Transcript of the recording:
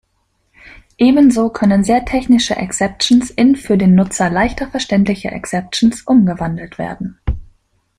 Ebenso können sehr technische Exceptions in für den Nutzer leichter verständliche Exceptions umgewandelt werden.